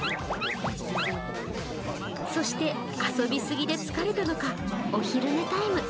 そして、遊びすぎで疲れたのか、お昼寝タイム。